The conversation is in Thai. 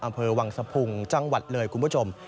อำเภอวังสะพุงจังหวัดเลยคุณผู้ชม